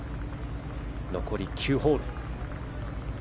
残り９ホール。